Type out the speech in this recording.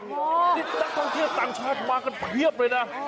นี่นักท่องเที่ยวต่างชาติมากันเพียบเลยนะ